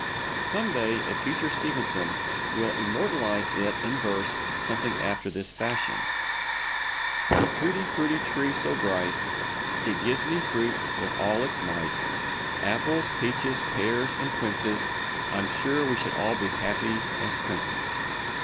Some day a future Stevenson will immortalize it in verse something after this fashion, The Tutti Frutti Tree so bright, It gives me fruit with all its might, Apples, peaches, pears and quinces, _I'm sure we should all be happy as princes.